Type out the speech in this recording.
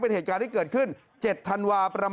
เป็นเหตุการณ์ที่เกิดขึ้น๗ธันวาคม